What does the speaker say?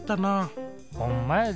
ほんまやで。